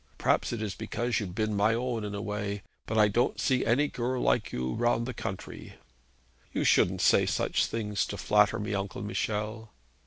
Perhaps it is because you've been my own in a way, but I don't see any girl like you round the country.' 'You shouldn't say such things to flatter me, Uncle Michel.'